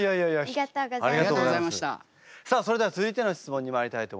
ありがとうございます。